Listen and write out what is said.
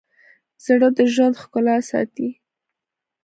زړه د ژوند ښکلا ساتي.